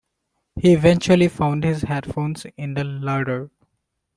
He eventually found his headphones in the larder.